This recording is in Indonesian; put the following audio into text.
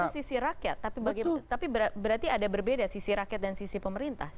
dari sisi rakyat tapi berarti ada berbeda sisi rakyat dan sisi pemerintah